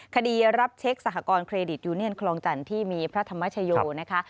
คดีรับเช็คสหกรณเครดิตยูเนียนคลองจันทร์ที่มีพระธรรมชโยนะคะ